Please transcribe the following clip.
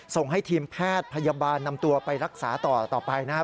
ส่งให้ทีมแพทย์พยาบาลนำตัวไปรักษาต่อไปนะครับ